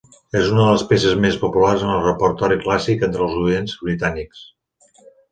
És una de les peces més populars en el repertori clàssic entre els oients britànics.